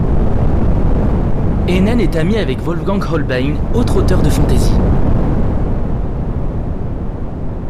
Hennen est ami avec Wolfgang Hohlbein, autre auteur de fantasy.